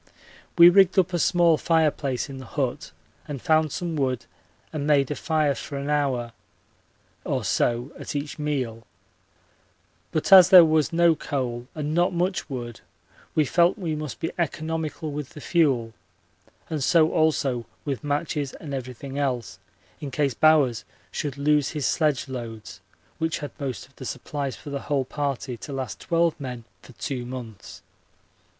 We rigged up a small fireplace in the hut and found some wood and made a fire for an hour or so at each meal, but as there was no coal and not much wood we felt we must be economical with the fuel, and so also with matches and everything else, in case Bowers should lose his sledge loads, which had most of the supplies for the whole party to last twelve men for two months.